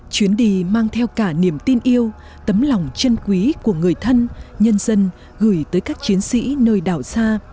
chuyến đi mang theo cả niềm tin yêu tấm lòng chân quý của người thân nhân dân gửi tới các chiến sĩ nơi đảo xa